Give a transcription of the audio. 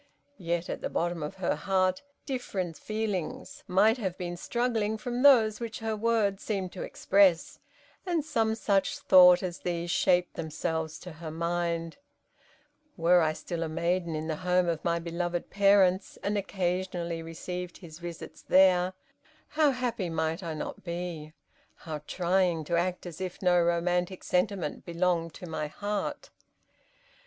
Yet, at the bottom of her heart, different feelings might have been struggling from those which her words seemed to express, and some such thoughts as these shaped themselves to her mind: "Were I still a maiden in the home of my beloved parents, and occasionally received his visits there, how happy might I not be? How trying to act as if no romantic sentiment belonged to my heart!"